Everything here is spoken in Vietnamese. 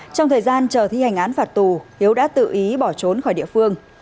trong thời gian chờ thi hành án phạt tù hiếu đã tự ý bỏ trốn khỏi địa phương